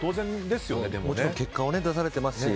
結果を出されてますし。